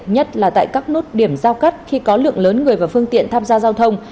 nhất là tại các nút điểm giao cắt khi có lượng lớn người và phương tiện tham gia giao thông